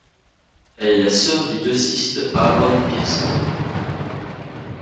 Elle est la sœur du dossiste Aaron Peirsol.